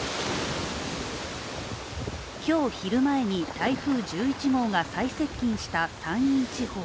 今日昼前に台風１１号が最接近した山陰地方。